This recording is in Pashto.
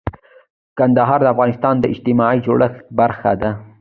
کندهار د افغانستان د اجتماعي جوړښت برخه ده.